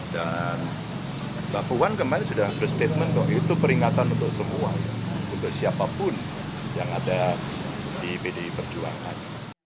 dan bapak puan kemal sudah berstatement bahwa itu peringatan untuk semua untuk siapapun yang ada di pdi perjuangan